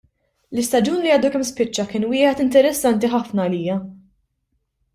L-istaġun li għadu kemm spiċċa kien wieħed interessanti ħafna għalija.